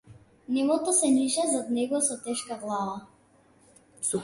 Небото се ниша зад него со тешка глава.